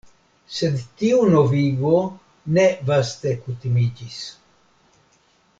Sed tiu novigo ne vaste kutimiĝis.